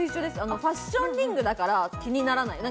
ファッションリングだから気にならない。